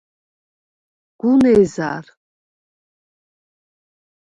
“გუნ ეზარ”.